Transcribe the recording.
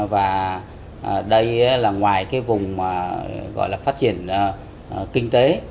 và đây là ngoài vùng phát triển kinh tế